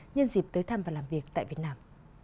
nhân dịp tới thăm và làm việc tại việt nam